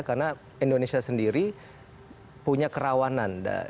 karena indonesia sendiri punya kerawanan